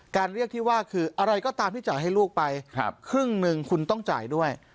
เรียกที่ว่าคืออะไรก็ตามที่จ่ายให้ลูกไปครึ่งหนึ่งคุณต้องจ่ายด้วย